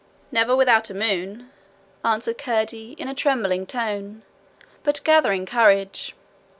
'Never without a moon,' answered Curdie, in a trembling tone, but gathering courage.